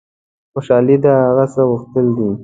خوشحالي د هغه څه غوښتل دي.